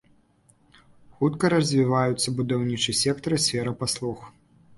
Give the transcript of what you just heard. Хутка развіваюцца будаўнічы сектар і сфера паслуг.